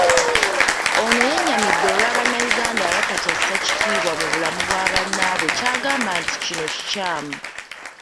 Ono yennyamidde olwa bannayuganda abatakyassa kitiibwa mu bulamu bwa bannaabwe ky'agamba nti kino kikyamu.